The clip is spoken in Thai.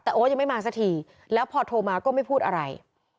แต่โอ๊ตยังไม่มาสักทีแล้วพอโทรมาก็ไม่พูดอะไร